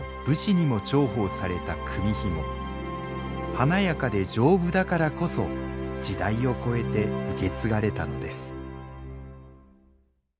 華やかで丈夫だからこそ時代を超えて受け継がれたのです